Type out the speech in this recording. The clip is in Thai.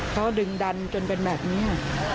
เขาดึงดันจนเป็นแบบนี้